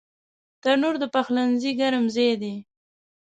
تنور د پخلنځي ګرم ځای دی